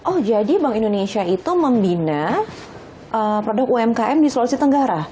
oh jadi bank indonesia itu membina produk umkm di sulawesi tenggara